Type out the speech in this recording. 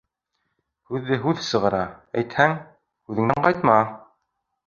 Һүҙҙе һүҙ сығара, әйтһәң, һүҙеңдән ҡайтма.